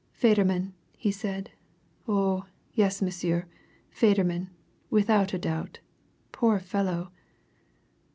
"Federman!" he said. "Oh, yes, monsieur Federman, without doubt. Poor fellow!"